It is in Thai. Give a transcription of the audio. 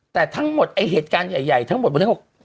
แต่ทั้งหมดเหตุการณ์ใหญ่ทั้งหมดบอก